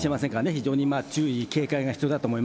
非常に注意、警戒が必要だと思い